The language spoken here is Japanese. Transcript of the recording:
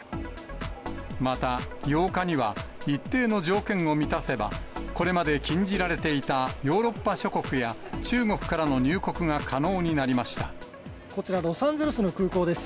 また、８日には、一定の条件を満たせば、これまで禁じられていたヨーロッパ諸国や中国からの入国が可能にこちら、ロサンゼルスの空港です。